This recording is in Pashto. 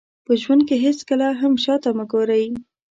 په ژوند کې هېڅکله هم شاته مه ګورئ.